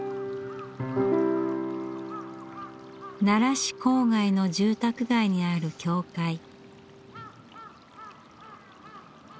奈良市郊外の住宅街にある教会。